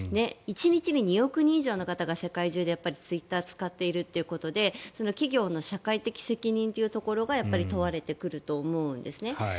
１日に２億人以上の方が世界中でツイッターを使っているということで企業の社会的責任というところが問われてくると思うんですね。